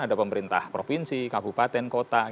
ada pemerintah provinsi kabupaten kota